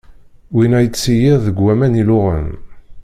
Winna yettseyyiḍ deg aman illuɣen.